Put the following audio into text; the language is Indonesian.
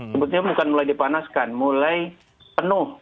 sebetulnya bukan mulai dipanaskan mulai penuh